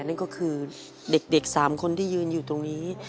นั่นก็คือเด็ก๓คนที่ยืนอยู่ตรงนี้